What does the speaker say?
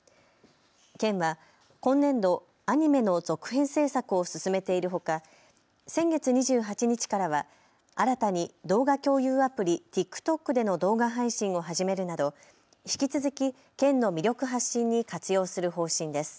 県は今年度、アニメの続編制作を進めているほか、先月２８日からは新たに動画共有アプリ、ＴｉｋＴｏｋでの動画配信を始めるなど引き続き、県の魅力発信に活用する方針です。